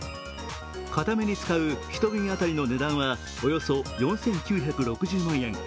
片目に使う１瓶当たりの値段はおよそ４９６０万円。